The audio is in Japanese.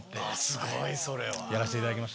すごいそれは。やらせていただきました。